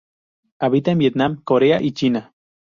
Habita en Vietnam, Corea y China.